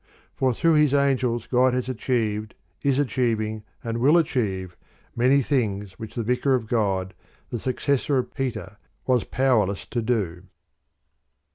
For through His angels God has achieved, is achiev ing, and will achieve, many things which the Vicar of God, the successor of Peter, was power less to do.